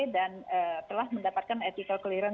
dan telah mendapatkan ethical clearance